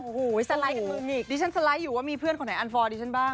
โอ้โหสไลด์กันมึงอีกดิฉันสไลด์อยู่ว่ามีเพื่อนคนไหนอันฟอร์ดิฉันบ้าง